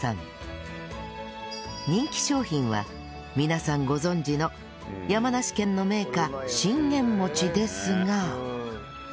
人気商品は皆さんご存じの山梨県の銘菓信玄餅ですが